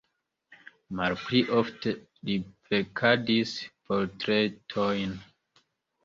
Malpli ofte li verkadis portretojn.